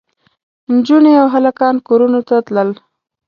نجونې او هلکان کورونو ته تلل.